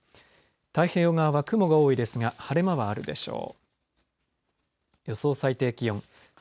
太平洋側は雲が多いですが晴れ間はあるでしょう。